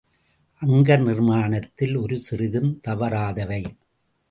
அங்க நிர்மாணத்தில் ஒரு சிறிதும் தவறாதவை.